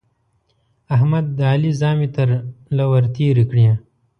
احمد د علي زامې تر له ور تېرې کړې.